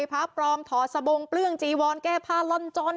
พระปลอมถอดสบงเปลื้องจีวอนแก้ผ้าล่อนจ้อน